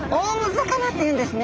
魚っていうんですね。